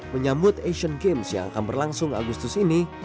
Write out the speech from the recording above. menyambut asian games yang akan berlangsung agustus ini